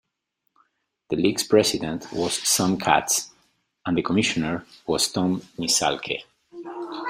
The league's president was Sam Katz and the commissioner was Tom Nissalke.